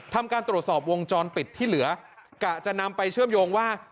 ทำการตรวจสอบวงจรปิดที่เหลือกะจะนำไปเชื่อมโยงว่า